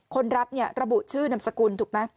คนรับเนี่ยระบุชื่อนามสกุลถูกไหม